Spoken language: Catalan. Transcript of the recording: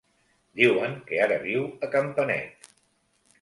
Diuen que ara viu a Campanet.